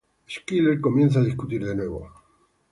Skyler comienza a discutir de nuevo.